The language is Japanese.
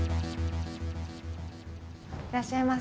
いらっしゃいませ。